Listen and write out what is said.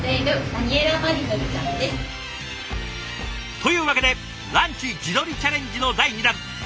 というわけで「ランチ自撮りチャレンジ」の第２弾！